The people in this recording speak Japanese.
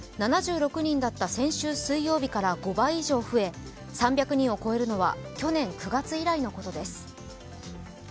７６人だった先週水曜日から５倍以上増え３００人を超えるのは去年９月以来のことです。